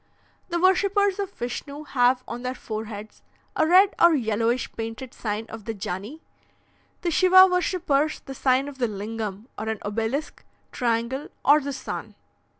"The worshippers of Vishnu have on their foreheads a red or yellowish painted sign of the Jani; the Shiva worshippers, the sign of the Lingam, or an obelisk, triangle, or the sun.